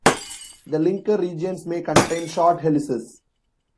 The linker regions may contain short helices.